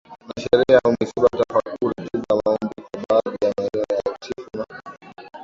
na sherehe au misiba tafakuri tiba maombi kwa baadhi ya maeneo ya Uchifu na